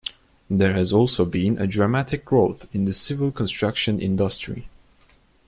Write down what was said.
There has also been a dramatic growth in the civil construction industry.